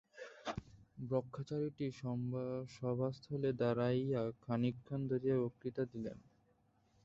ব্রহ্মচারীটি সভাস্থলে দাঁড়াইয়া খানিকক্ষণ ধরিয়া বক্তৃতা দিলেন।